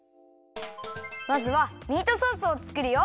まずはミートソースをつくるよ。